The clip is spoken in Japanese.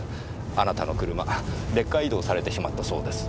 あなたの車レッカー移動されてしまったそうです。